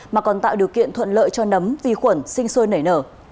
mà còn tạo điều kiện thuận lợi cho nấm vi khuẩn sinh sôi nảy nở